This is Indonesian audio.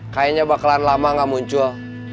kayaknya bakalan lama gak muncul